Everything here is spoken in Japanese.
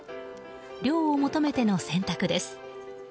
涼を求めての選択です。